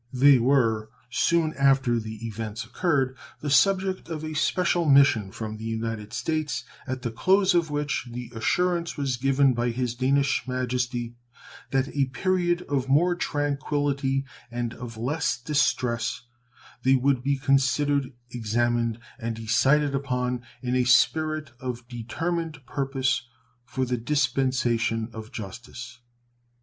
They were soon after the events occurred the subject of a special mission from the United States, at the close of which the assurance was given by His Danish Majesty that at a period of more tranquillity and of less distress they would be considered, examined, and decided upon in a spirit of determined purpose for the dispensation of justice.